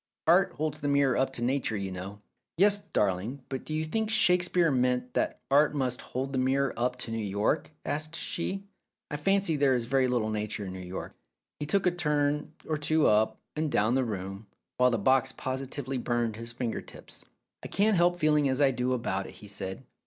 Art holds the mirror up to nature, you know." "Yes, darling; but do you think Shakespeare meant that Art must hold the mirror up to New York?" asked she. "I fancy there is very little nature in New York." He took a turn or two up and down the room, while the box positively burned his finger tips. "I can't help feeling as I do about it," he said.